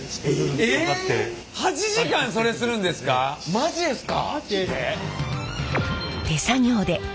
マジですか？